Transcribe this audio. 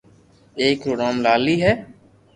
اآڪ رو نوم لالي ھي